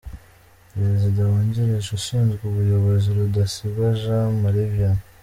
Perezida wungirije ushinzwe ubuyobozi: Rudasingwa Jean Marie Vianney.